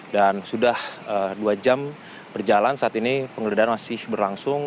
dan sudah dua jam berjalan saat ini penggeledahan masih berlangsung